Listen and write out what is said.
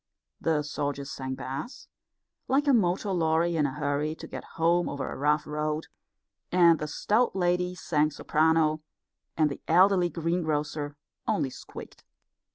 The soldier sang bass, like a motor lorry in a hurry to get home over a rough road, and the stout lady sang soprano, and the elderly greengrocer only squeaked.